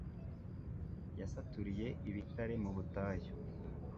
Yasaturiye ibitare mu butayu